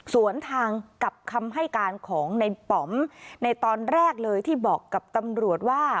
สวนทางกับคำให้การของในป๋อมในตอนแรกเลยที่บอกกับตำรวจว่า